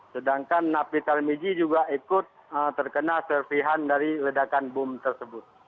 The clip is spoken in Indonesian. sedangkan napi tarmizi juga ikut terkena servian dari ledakan boom tersebut